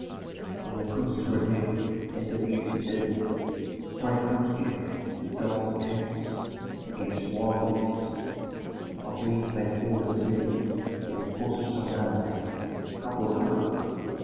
When the prince's retinue entered the eastern desert, great hunts began with dogs and panthers against wild beasts. Of these they killed and seized, in the course of some days, a couple of hundred.